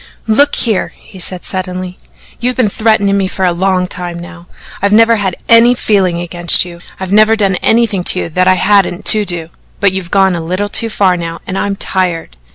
"Look here," he said suddenly, "you've been threatening me for a long time now. I've never had any feeling against you. I've never done anything to you that I hadn't to do. But you've gone a little too far now and I'm tired.